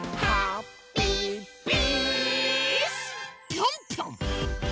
ぴょんぴょん！